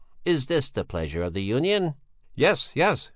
"Is this the pleasure of the Union?" "Yes, yes!"